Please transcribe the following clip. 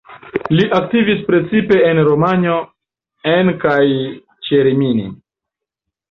Li aktivis precipe en Romanjo, en kaj ĉe Rimini.